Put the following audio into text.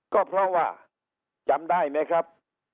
ก็เพราะว่าจำได้ไหมครับ